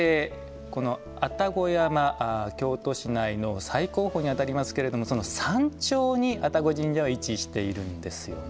この愛宕山京都市内の最高峰に当たりますけれどもその山頂に愛宕神社は位置しているんですよね。